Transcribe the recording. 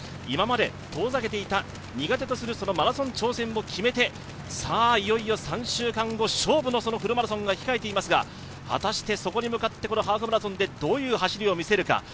今まで遠ざけていた苦手とするマラソン挑戦を決めていよいよ３週間後勝負のフルマラソンが控えていますが果たして、そこに向かってハーフマラソンでどういう走りを見せるか。